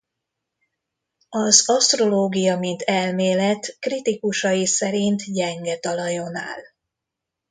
Az asztrológia mint elmélet kritikusai szerint gyenge talajon áll.